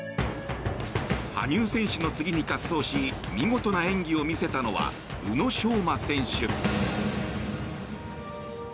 羽生選手の次に滑走し見事な演技を見せたのは宇野昌磨選手。